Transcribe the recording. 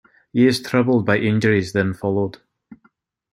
Years troubled by injuries then followed.